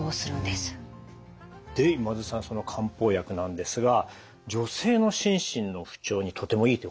で今津さんその漢方薬なんですが女性の心身の不調にとてもいいということなんですね？